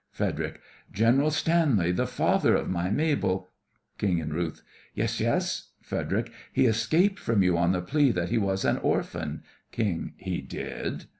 FREDERIC: General Stanley, the father of my Mabel— KING/RUTH: Yes, yes! FREDERIC: He escaped from you on the plea that he was an orphan? KING: He did.